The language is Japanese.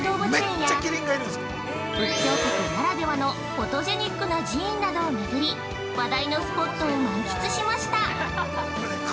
フォトジェニックな寺院などをめぐり話題のスポットを満喫しました。